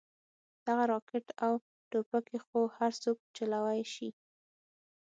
دغه راكټ او ټوپكې خو هرسوك چلوې شي.